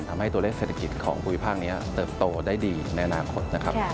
ทำให้ตัวเลขเศรษฐกิจของภูมิภาคนี้เติบโตได้ดีในอนาคตนะครับ